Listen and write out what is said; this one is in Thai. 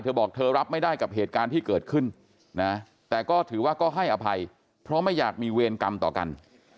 เธอบอกเธอรับไม่ได้กับเหตุการณ์ที่เกิดขึ้นนะแต่ก็ถือว่าก็ให้อภัยเพราะไม่อยากมีเวรกรรมต่อกัน